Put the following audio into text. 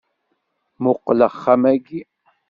Muqel axxam-agi